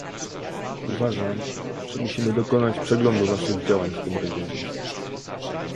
Uważam, że musimy dokonać przeglądu naszych działań w tym regionie